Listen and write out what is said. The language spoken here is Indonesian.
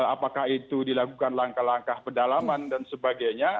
apakah itu dilakukan langkah langkah pedalaman dan sebagainya